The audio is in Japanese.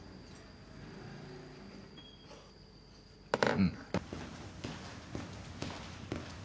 うん。